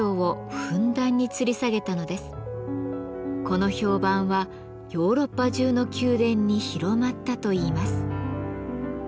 この評判はヨーロッパ中の宮殿に広まったといいます。